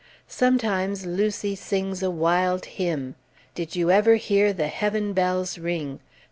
Sometimes Lucy sings a wild hymn, "Did you ever hear the heaven bells ring?"